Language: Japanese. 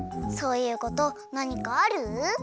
そういうことなにかある？